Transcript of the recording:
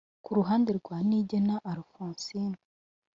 Ku ruhande rwa Niyigena Alphonsine